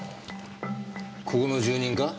ここの住人か？